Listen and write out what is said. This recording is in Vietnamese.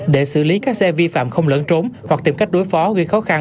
để xử lý các xe vi phạm không lẫn trốn hoặc tìm cách đối phó gây khó khăn